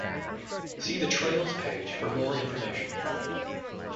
See the Trails page for more information.